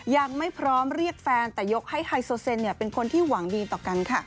ยังไม่พร้อมเรียกแฟนแต่ยกให้ไฮโซเซนเป็นคนที่หวังดีต่อกันค่ะ